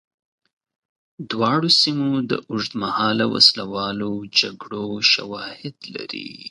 دواړو سیمو د اوږدمهاله وسله والو جګړو شواهد لري.